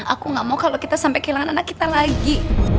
aku gak mau kalau kita sampai kehilangan anak kita lagi